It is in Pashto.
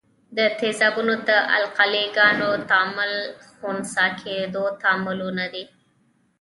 د تیزابونو او القلي ګانو تعامل خنثي کیدو تعاملونه دي.